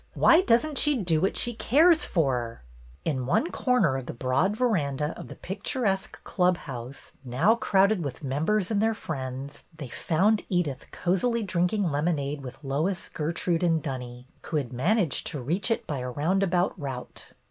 Why does n't she do what she cares for ?" In one corner of the broad veranda of the picturesque Club House, now crowded with members and their friends, they found Edith cosily drinking lemonade with Lois, Gertrude, and Dunny, who had managed to reach it by a roundabout route.